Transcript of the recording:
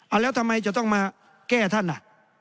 แล้วทำไมจะต้องมาแก้ท่านอ่ะ